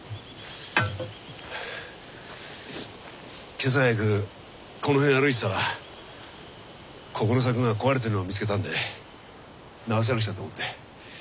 今朝早くこの辺歩いてたらここの柵が壊れてるの見つけたんで直さなくちゃと思って。